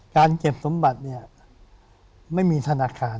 เก็บสมบัติเนี่ยไม่มีธนาคาร